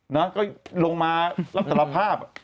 น่ะก็ลงมารับฝ้า